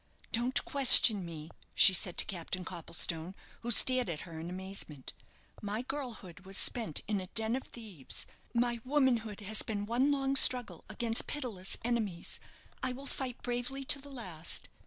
"Don't question me," she said to Captain Copplestone, who stared at her in amazement; "my girlhood was spent in a den of thieves my womanhood has been one long struggle against pitiless enemies. I will fight bravely to the last.